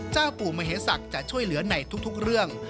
เจ้าปู่มเหศักดิ์จะช่วยเหลือในทุกเรื่อง